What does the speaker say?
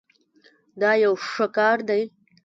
دا یو ښه کار دی.